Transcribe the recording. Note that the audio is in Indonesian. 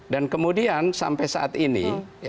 dan kemudian sampai saat ini